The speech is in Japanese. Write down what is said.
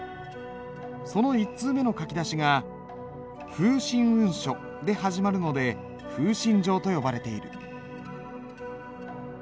その１通目の書き出しが「風信雲書」で始まるので「風信帖」と呼ばれている。